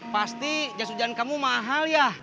pasti jas hujan kamu mahal ya